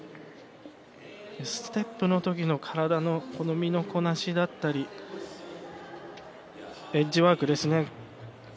ステップの時の体の身のこなしだったりエッジワークですね。